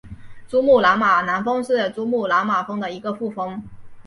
珠穆朗玛南峰是珠穆朗玛峰的一个副峰。